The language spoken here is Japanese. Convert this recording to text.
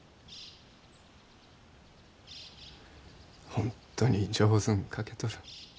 本当に上手ん描けとる。